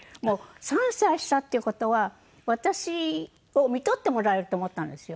３歳下っていう事は私を看取ってもらえると思ったんですよ。